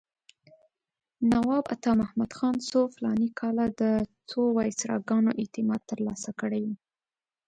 نواب عطامحمد خان څو فلاني کاله د څو وایسراګانو اعتماد ترلاسه کړی و.